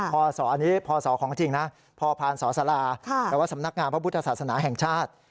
ศอันนี้พศของจริงนะพพานสลาแต่ว่าสำนักงานพระพุทธศาสนาแห่งชาติ